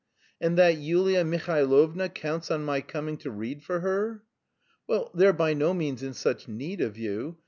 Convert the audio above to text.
"And that Yulia Mihailovna counts on my coming to read for her!" "Well, they're by no means in such need of you.